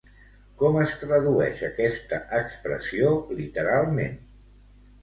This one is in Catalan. Com es tradueix aquesta expressió literalment?